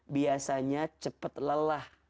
biasanya cepat lelah